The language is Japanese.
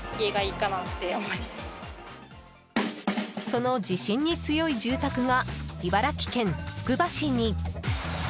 その地震に強い住宅が茨城県つくば市に！